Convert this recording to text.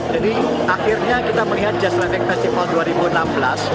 jadi akhirnya kita melihat jazz traffic festival dua ribu enam belas